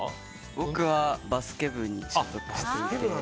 僕はバスケ部に所属していて。